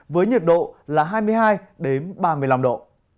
với nhiệt độ là hai mươi hai ba mươi năm độ